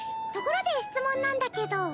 ところで質問なんだけど。